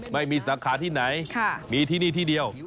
ไม่มีสาขาที่ไหนมีที่นี่ที่เดียว